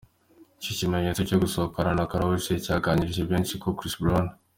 iki kimenyetso cyo gusohokana na Karrueche cyagaragarije benshi ko Chris Brown.